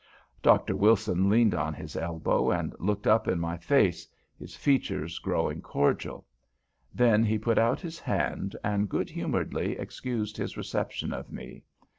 Dr. Wilson leaned on his elbow and looked up in my face, his features growing cordial. Then he put out his hand, and good humoredly excused his reception of me.